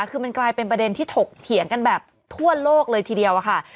คือมันกลายเป็นประเด็นที่ถกเถียงกันแบบทั่วโลกเลยทีเดียวค่ะ